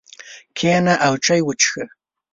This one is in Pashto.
کښېنه او چای وڅښه.